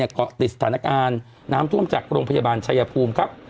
เกาะติดสถานการณ์น้ำท่วมจากโรงพยาบาลชายภูมิครับ